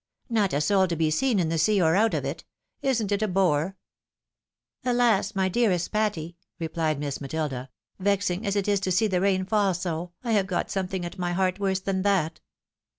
" Not a soul to be seen in the sea, or out of it ! Isn't it a bore ?"" Alas ! my dearest Patty," replied Miss MatUda, " vexing as it is to see the rain fall so, I have got something at my heart worse than that."